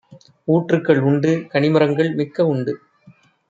ஊற்றுக்கள் உண்டு; கனிமரங்கள் மிக்க உண்டு;